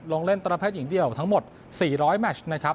ลงเล่นประเภทหญิงเดียวทั้งหมด๔๐๐แมชนะครับ